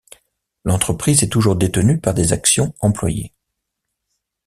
L’entreprise est toujours détenue par des actions employées.